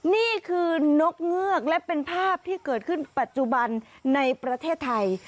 นี่คือนกเงือกและเป็นภาพที่เกิดขึ้นปัจจุบันในประเทศไทย